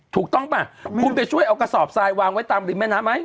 ถูกต้องป่ะคุณไปช่วยเอากระสอบทรายวางไว้ตามริมแม่น้ำไหม